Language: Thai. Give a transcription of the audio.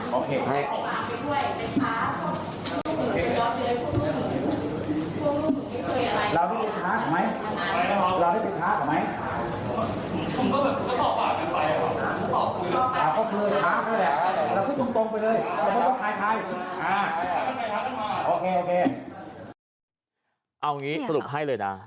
เอาอย่างนี้สรุปให้เลยนะ